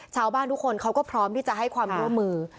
ชาวบ้านทุกคนเขาก็พร้อมที่จะให้ความร่วมมือ